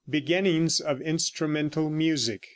BEGINNINGS OF INSTRUMENTAL MUSIC.